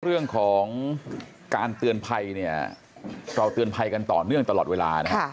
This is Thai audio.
เรื่องของการเตือนภัยเนี่ยเราเตือนภัยกันต่อเนื่องตลอดเวลานะฮะ